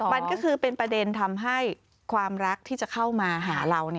มันก็คือเป็นประเด็นทำให้ความรักที่จะเข้ามาหาเรา